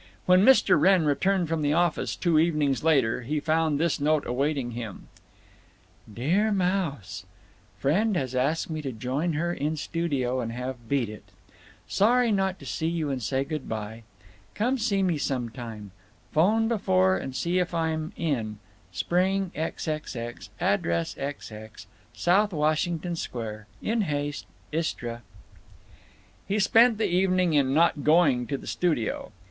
When Mr. Wrenn returned from the office, two evenings later, he found this note awaiting him: DEAR MOUSE,—Friend has asked me to join her in studio & have beat it. Sorry not see you & say good by. Come see me sometime—phone before and see if I'm in—Spring xxx—address xx South Washington Sq. In haste, ISTRA. He spent the evening in not going to the studio.